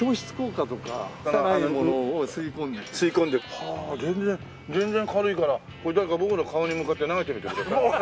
はあ全然軽いからこれ誰か僕の顔に向かって投げてみてください。